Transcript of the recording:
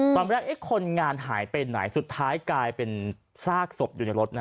ตอนแรกคนงานหายไปไหนสุดท้ายกลายเป็นซากศพอยู่ในรถนะ